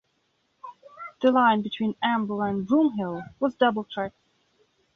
The line between Amble and Broomhill was double-track.